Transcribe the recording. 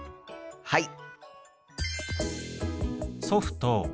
はい！